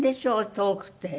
遠くて。